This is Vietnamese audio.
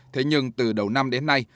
thế nhưng từ đầu năm đến nay